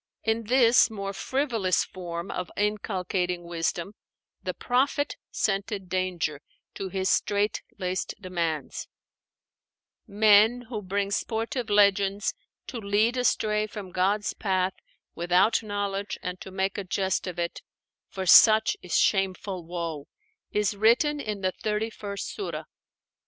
In this more frivolous form of inculcating wisdom, the Prophet scented danger to his strait laced demands: "men who bring sportive legends, to lead astray from God's path without knowledge and to make a jest of it; for such is shameful woe," is written in the thirty first Surah.